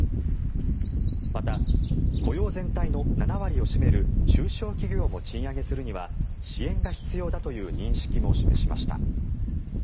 また、雇用全体の７割を占める中小企業も賃上げするには支援が必要だという認識も示しました。